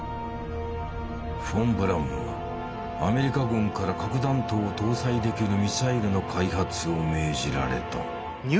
フォン・ブラウンはアメリカ軍から核弾頭を搭載できるミサイルの開発を命じられた。